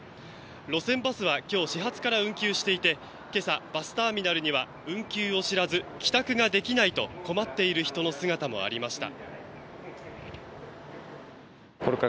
路線バスは今日、始発から運休していて今朝、バスターミナルには運休を知らず帰宅ができないと困っている人の姿もありました。